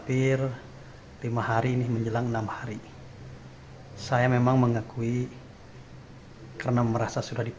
pertanyaan yang terakhir adalah